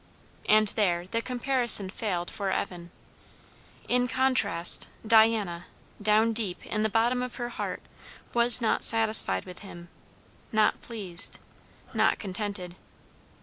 And there the comparison failed for Evan. In the contrast, Diana, down deep in the bottom of her heart, was not satisfied with him, not pleased, not contented.